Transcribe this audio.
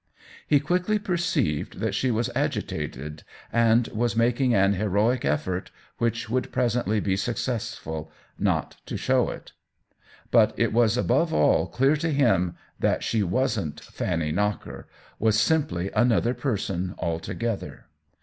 He quickly perceived that she was agitated and was making aA heroic effort, which would presently be successful, not to show it. But it was above all clear to him that she wasn't Fanny Knocker — was simply another person altogether.